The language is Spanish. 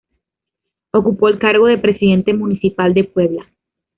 Ocupó el cargo de Presidente Municipal de Puebla.